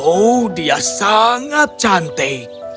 oh dia sangat cantik